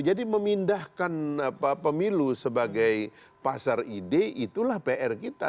jadi memindahkan pemilu sebagai pasar ide itulah pr kita